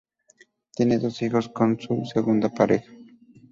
Tiene dos hijos con su segunda pareja.